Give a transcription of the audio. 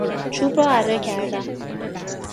چوب را اره کردم.